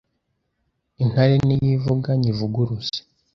Intare niyivuga nyivuguruze